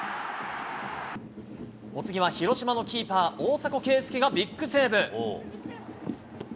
お次は、広島のキーパー、大迫敬介がビッグセーブ。